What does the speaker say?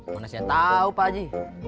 mana saya tahu pak haji